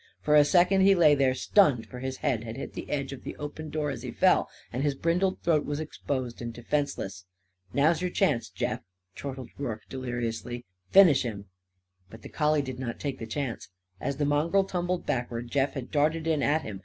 For a second he lay there, stunned, for his head had hit the edge of the open door as he fell, and his brindled throat was exposed and defenceless. "Now's your chance, Jeff!" chortled Rorke deliriously. "Finish him!" But the collie did not take the chance. As the mongrel tumbled backward, Jeff had darted in at him.